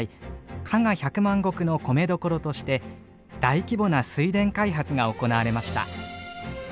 加賀百万石の米どころとして大規模な水田開発が行われました。